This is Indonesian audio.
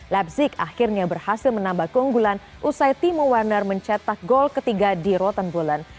leipzig akhirnya berhasil menambah keunggulan usai timo werner mencetak gol ketiga di rottenbullen